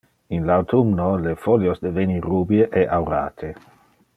In le autumno, le folios deveni rubie e aurate.